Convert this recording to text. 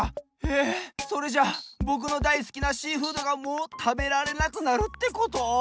えそれじゃぼくのだいすきなシーフードがもうたべられなくなるってこと？